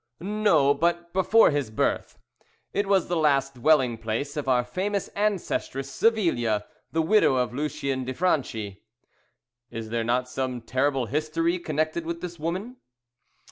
"No, but before his birth. It was the last dwelling place of our famous ancestress Savilia, the widow of Lucien de Franchi." "Is there not some terrible history connected with this woman?"